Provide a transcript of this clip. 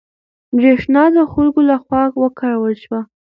برېښنا د خلکو له خوا وکارول شوه.